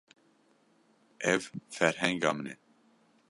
Ev ferhenga min e.